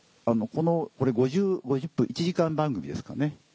これ５０分１時間番組ですかね？